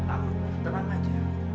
tenang tenang aja